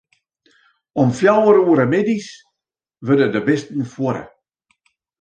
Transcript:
Om fjouwer oere middeis wurde de bisten fuorre.